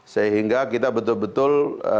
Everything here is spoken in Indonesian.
sehingga kita betul betul